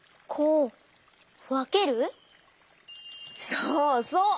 そうそう！